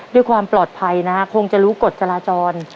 ด้วยความปลอดภัยนะฮะคงจะรู้กฎจราจร